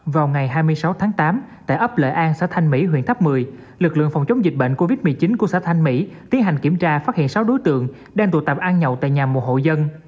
vào ngày hai mươi sáu tháng tám tại ấp lợi an xã thanh mỹ huyện tháp một mươi lực lượng phòng chống dịch bệnh covid một mươi chín của xã thanh mỹ tiến hành kiểm tra phát hiện sáu đối tượng đang tụ tập ăn nhậu tại nhà một hộ dân